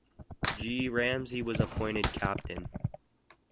G. Ramsay was appointed captain.